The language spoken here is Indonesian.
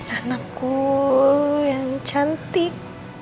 anakku yang cantik